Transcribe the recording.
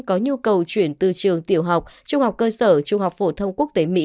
có nhu cầu chuyển từ trường tiểu học trung học cơ sở trung học phổ thông quốc tế mỹ